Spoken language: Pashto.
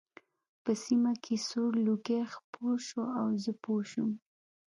په سیمه کې سور لوګی خپور شو او زه پوه شوم